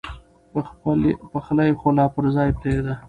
پخلی خو لا پر ځای پرېږده.